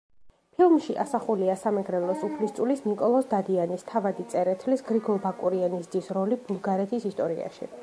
ფილმში ასახულია სამეგრელოს უფლისწულის ნიკოლოზ დადიანის, თავადი წერეთლის, გრიგოლ ბაკურიანის ძის როლი ბულგარეთის ისტორიაში.